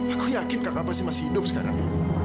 aku yakin kakak pasti masih hidup sekarang